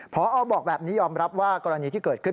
พอบอกแบบนี้ยอมรับว่ากรณีที่เกิดขึ้น